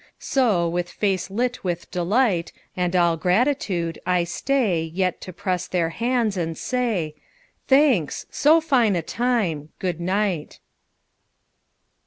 So, with face lit with delight And all gratitude, I stay Yet to press their hands and say, "Thanks. So fine a time ! Good night.